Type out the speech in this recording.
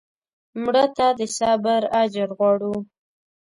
مړه ته د صبر اجر غواړو